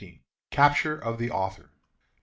CAPTURE OF THE AUTHOR. 1863.